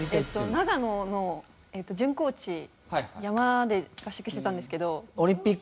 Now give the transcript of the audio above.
長野の準高地山で合宿してたんですけど。